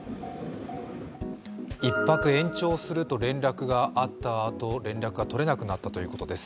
１泊延長すると連絡があったあと連絡が取れなくなったということです。